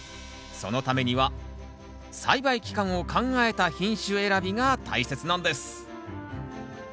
そのためには栽培期間を考えた品種選びが大切なんです